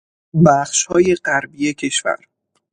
بخشهای غربی کشور